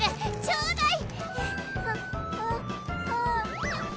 ちょうだい！